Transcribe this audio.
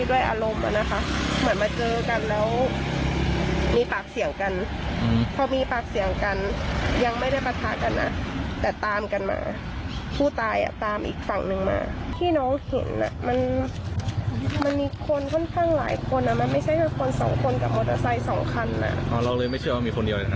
ว่าเหตุการณ์มันเป็นยังไง